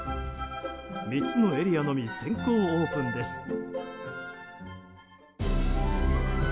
３つのエリアのみ先行オープンです。